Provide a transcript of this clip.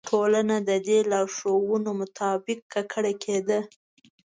ټولنه د دې لارښوونو مطابق ککړه کېده.